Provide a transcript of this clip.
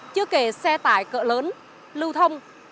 chưa kể xe tải cỡ lớn lưu thông